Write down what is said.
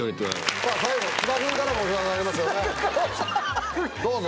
最後津田君からもお知らせがありますよねどうぞ！